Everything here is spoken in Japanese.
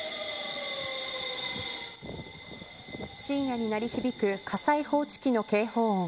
深夜に鳴り響く火災報知器の警報音。